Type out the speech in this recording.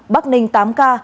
bắc ninh tám ca